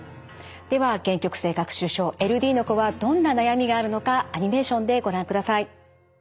では限局性学習症ＬＤの子はどんな悩みがあるのかアニメーションでご覧ください。